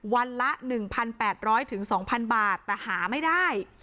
วันละหนึ่งพันแปดร้อยถึงสองพันบาทแต่หาไม่ได้